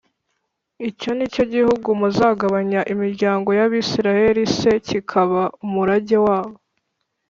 Icyo ni cyo gihugu muzagabanya imiryango y Abisirayeli c kikaba umurage wabo